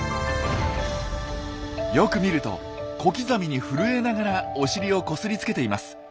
よく見ると小刻みに震えながらお尻をこすりつけています。